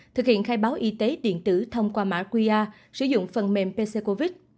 thực hiện khai báo y tế điện tử thông qua mạng qr sử dụng phần mềm pccovid